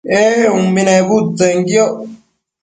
ee umbi nebudtsenquioc